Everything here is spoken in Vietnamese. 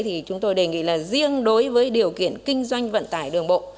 thì chúng tôi đề nghị là riêng đối với điều kiện kinh doanh vận tải đường bộ